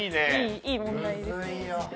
いい問題です。